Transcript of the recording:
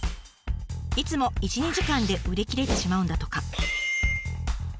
いつも１２時間で売り切れてしまうんだとか。